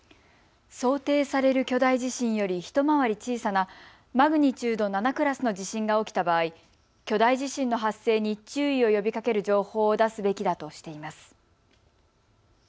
想定される巨大地震より一回り小さなマグニチュード７クラスの地震が起きた場合、巨大地震の発生に注意を呼びかける情報を出すべきだとしています。